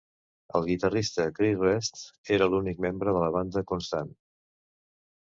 El guitarrista Chris Rest era l'únic membre de la banda constant.